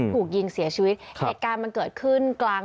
ถูกยิงเสียชีวิตเ฀ตการมันเกิดขึ้นกลาง